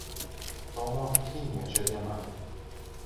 Tomo Akviniečio diena.